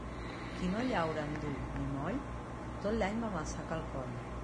Qui no llaura en dur ni moll, tot l'any va amb el sac al coll.